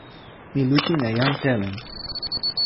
mi lukin e jan Telen.